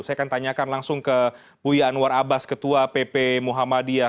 saya akan tanyakan langsung ke buya anwar abbas ketua pp muhammadiyah